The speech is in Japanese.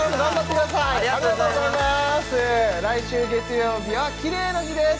来週月曜日はキレイの日です